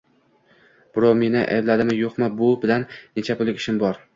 Birov meni ayblaydimi-yo`qmi, bu bilan necha pullik ishim bor